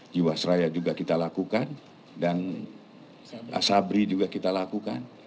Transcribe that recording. jiwasraya juga kita lakukan dan asabri juga kita lakukan